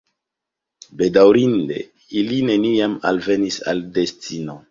Bedaŭrinde, ili neniam alvenis al destino.